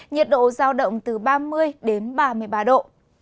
nhiệt độ giao động từ ba mươi đến ba mươi ba độ